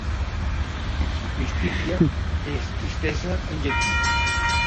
"Tristitia" és "tristesa" en llatí.